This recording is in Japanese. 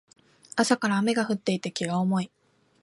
朝から雨が降っていて気が重い